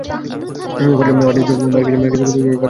ফারাজের দেহ মায়ের কাছে এসেছে, কিন্তু ফারাজ চলে গেছেন না-ফেরার দেশে।